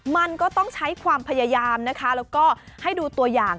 มันก็ต้องใช้ความพยายามนะคะแล้วก็ให้ดูตัวอย่าง